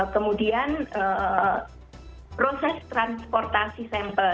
kemudian proses transportasi sampel